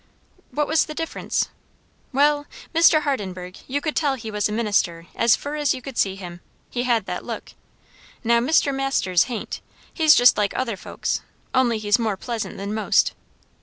"What was the difference?" "Well Mr. Hardenburgh, you could tell he was a minister as fur as you could see him; he had that look. Now Mr. Masters hain't; he's just like other folks; only he's more pleasant than most."